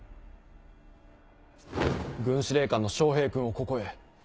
軍司令官の昌平君をここへ。